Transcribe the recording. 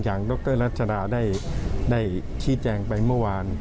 ดรรัชดาได้ชี้แจงไปเมื่อวาน